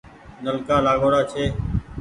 نلڪآ لآگوڙآ ڇي